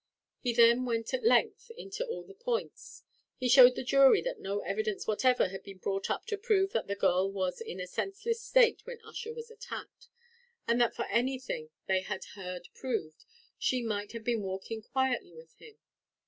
He then went at length into all the points; he showed the jury that no evidence whatever had been brought up to prove that the girl was in a senseless state when Ussher was attacked; and that for anything they had heard proved, she might have been walking quietly with him.